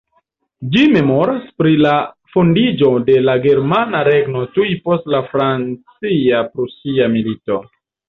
Ĝi memoras pri la fondiĝo de la Germana regno tuj post la Francia-Prusia Milito.